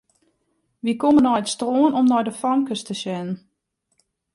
Wy komme nei it strân om nei de famkes te sjen.